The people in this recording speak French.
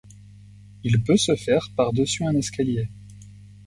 Il peut se faire par-dessus un escalier.